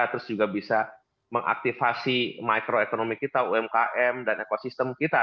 terus juga bisa mengaktifasi mikroekonomi kita umkm dan ekosistem kita